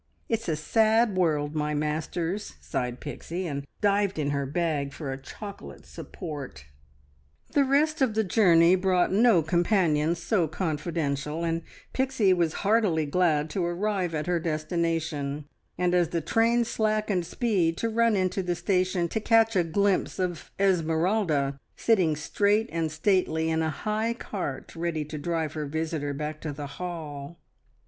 `It's a sad world, my masters!'" sighed Pixie, and dived in her bag for a chocolate support. The rest of the journey brought no companion so confidential, and Pixie was heartily glad to arrive at her destination, and as the train slackened speed to run into the station, to catch a glimpse of Esmeralda sitting straight and stately in a high cart ready to drive her visitor back to the Hall.